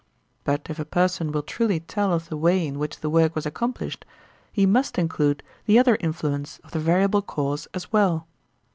But if a person will truly tell of the way in which the work was accomplished, he must include the other influence of the variable cause as well.